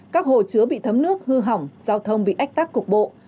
các hồ chứa bị thấm nước hư hỏng giao thông bị ách tắc cục bộ